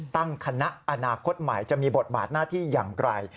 ตั้งคณะอนาคตใหม่จะมีบทบาทหน้าที่อย่างไร